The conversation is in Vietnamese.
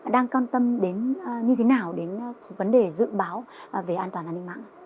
đang quan tâm đến như thế nào đến vấn đề dự báo về an toàn an ninh mạng